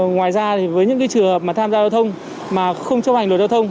ngoài ra với những trường hợp tham gia giao thông mà không chấp hành luật giao thông